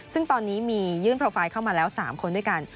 ซึ่งตอนนี้มียื่นโปรไฟล์เข้ามาแล้ว๓คนด้วยกัน